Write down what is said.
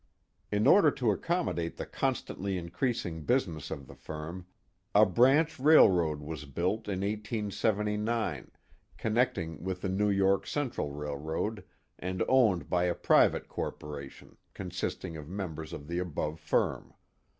In order to accommodate the constantly increasing busi ness of the firm, a branch railroad was built in 1879, connect ing with the New York Central Railroad and owned by a private corporation, consisting of members of the above firm.